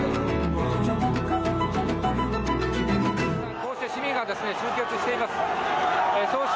こうして市民が集結しています。